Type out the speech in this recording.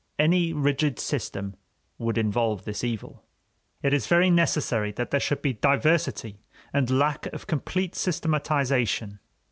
Any rigid system would involve this evil. It is very necessary that there should be diversity and lack of complete systematization.